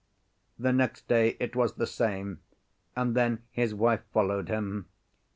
The next day it was the same, and then his wife followed him.